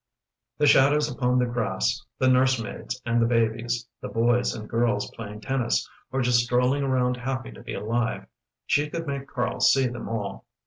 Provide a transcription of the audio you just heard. The shadows upon the grass, the nursemaids and the babies, the boys and girls playing tennis, or just strolling around happy to be alive she could make Karl see them all.